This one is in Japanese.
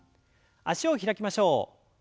脚を開きましょう。